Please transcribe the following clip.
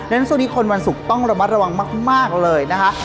ช่วงนี้คนวันศุกร์ต้องระมัดระวังมากเลยนะคะ